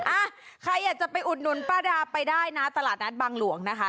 อ่ะใครอยากจะไปอุดหนุนป้าดาไปได้นะตลาดนัดบางหลวงนะคะ